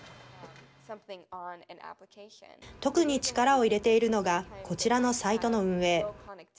特に力を入れているのがこちらのサイトの運営。